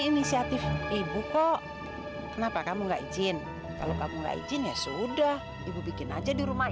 inisiatif ibu kok kenapa kamu nggak izin kalau kamu nggak izin ya sudah ibu bikin aja di rumah